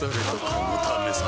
このためさ